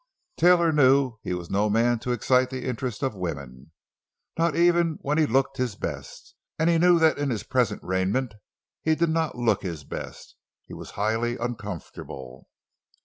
Taylor knew he was no man to excite the interest of women, not even when he looked his best. And he knew that in his present raiment he did not look his best. He was highly uncomfortable.